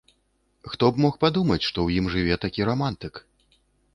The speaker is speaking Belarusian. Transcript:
Хто б мог падумаць, што ў ім жыве такі рамантык!